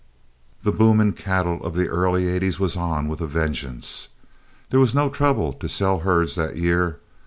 The boom in cattle of the early '80's was on with a vengeance. There was no trouble to sell herds that year.